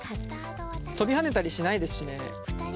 跳びはねたりしないですしね。